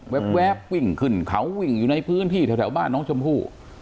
แป๊บวิ่งขึ้นเขาวิ่งอยู่ในพื้นที่แถวบ้านน้องชมพู่